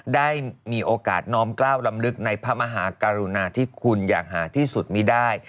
ได้มีโอกาสน้อมกล้าวลำลึกในพระมหากรุณาที่คุณอย่างหาที่สุดมีได้